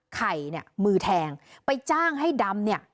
ไข่เนี่ยมือแทงไปจ้างให้ดำเนี่ย